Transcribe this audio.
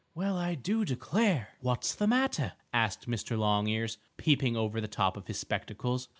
"Well, I do declare!" "What's the matter?" asked Mr. Longears, peeping over the top of his spectacles.